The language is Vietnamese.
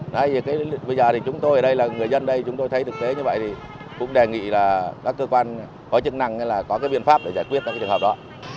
đấy bây giờ thì chúng tôi ở đây là người dân đây chúng tôi thấy thực tế như vậy thì cũng đề nghị là các cơ quan có chức năng là có cái biện pháp để giải quyết các cái trường hợp đó